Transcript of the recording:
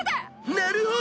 なるほど！